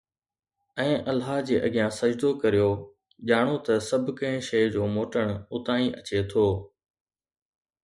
۽ الله جي اڳيان سجدو ڪريو، ڄاڻو ته سڀڪنھن شيء جو موٽڻ اتان ئي اچي ٿو.